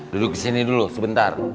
duduk di sini dulu sebentar